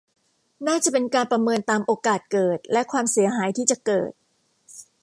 น่าจะเป็นการประเมินตามโอกาสเกิดและความเสียหายที่จะเกิด